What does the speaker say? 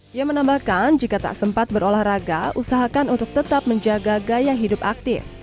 dia menambahkan jika tak sempat berolahraga usahakan untuk tetap menjaga gaya hidup aktif